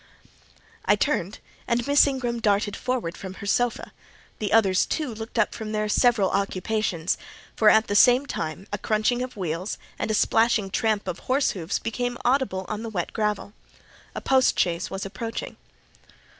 I turned, and Miss Ingram darted forwards from her sofa: the others, too, looked up from their several occupations; for at the same time a crunching of wheels and a splashing tramp of horse hoofs became audible on the wet gravel. A post chaise was approaching.